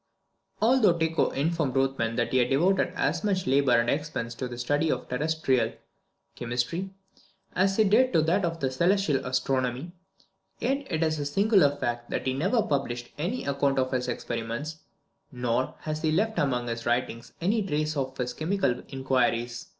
Although Tycho informed Rothman that he devoted as much labour and expense to the study of terrestrial (chemistry) as he did to that of celestial astronomy, yet it is a singular fact that he never published any account of his experiments, nor has he left among his writings any trace of his chemical inquiries.